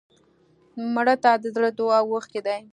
مړه ته د زړه دعا اوښکې دي